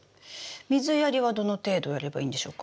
水やりはどの程度やればいいんでしょうか？